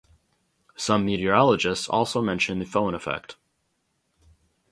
Some meteorologists also mention the foehn effect.